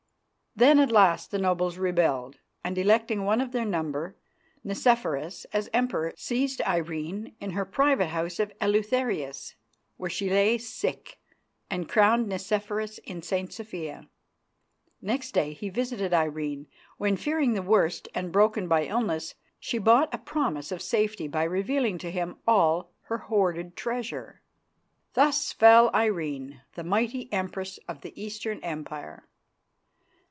Then at last the nobles rebelled, and, electing one of their number, Nicephorus, as emperor, seized Irene in her private house of Eleutherius, where she lay sick, and crowned Nicephorus in St. Sophia. Next day he visited Irene, when, fearing the worst and broken by illness, she bought a promise of safety by revealing to him all her hoarded treasure. Thus fell Irene, the mighty Empress of the Eastern Empire!